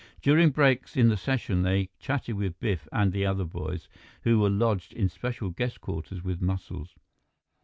During breaks in the session, they chatted with Biff and the other boys, who were lodged in special guest quarters with Muscles.